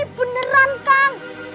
ini beneran kang